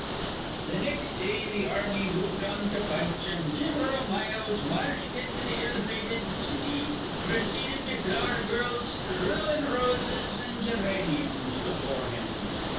"Th' nex' day th' army moved on Punch; an' Gin'ral Miles marched into th' ill fated city, preceded be flower girls sthrewin' r roses an' geranyums befure him.